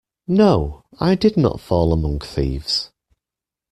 No, I did not fall among thieves.